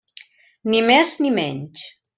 Ni més ni menys.